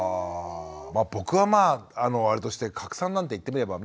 僕はまああれとして加耒さんなんて言ってみればね